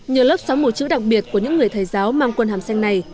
nhờ lớp xóa mù chữ đặc biệt của những người thầy giáo mang quân hàm xanh này